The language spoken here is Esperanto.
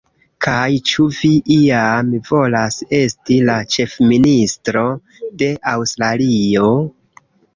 Kaj ĉu vi iam volas esti la ĉefministro de Aŭstralio?